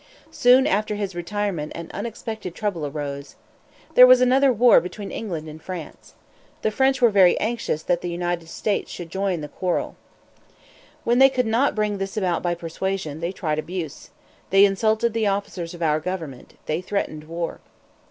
Soon after his retirement an unexpected trouble arose. There was another war between England and France. The French were very anxious that the United States should join in the quarrel. When they could not bring this about by persuasion, they tried abuse. They insulted the officers of our government; they threatened war.